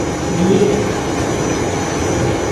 Biyee.